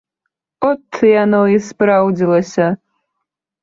От яно і спраўдзілася.